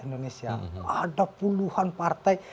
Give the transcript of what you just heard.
indonesia ada puluhan partai